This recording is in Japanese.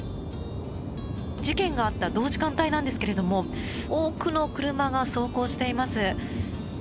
事件があった同時間帯なんですけれども多くの車が走行しています。